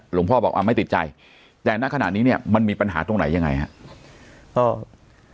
หลวงพ่อบอกว่าไม่ติดใจแต่ณขนาดนี้เนี่ยมันมีปัญหาตรงไหนยังไงฮะ